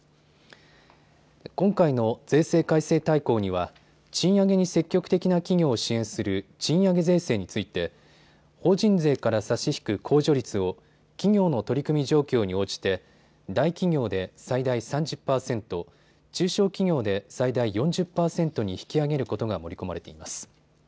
今回の税制改正大綱には賃上げに積極的な企業を支援する賃上げ税制について法人税から差し引く控除率を企業の取り組み状況に応じて大企業で最大３０％、中小企業で最大４０％に引き上げることが盛り込まれています。